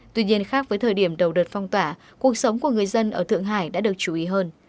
tuy nhiên khác với thời điểm đầu đợt phong tỏa cuộc sống của người dân ở thượng hải đã được chú ý hơn